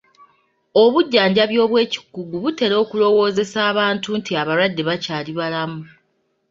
Obujjanjabi obw'ekikugu butera okulowoozesa abantu nti abalwadde bakyali balamu.